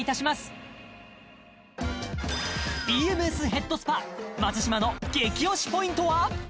ヘッドスパ松嶋の激おしポイントは？